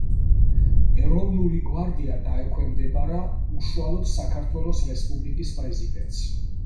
ეროვნული გვარდია დაექვემდებარა უშუალოდ საქართველოს რესპუბლიკის პრეზიდენტს.